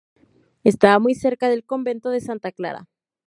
Estaba muy cerca del Convento de Santa Clara.